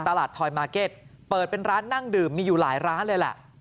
ทอยมาร์เก็ตเปิดเป็นร้านนั่งดื่มมีอยู่หลายร้านเลยแหละ